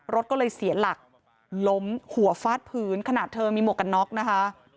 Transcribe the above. รถก็เลยเสียหลักล้มหัวฟาดพื้นขนาดเธอมีหมวกกันน็อกนะคะ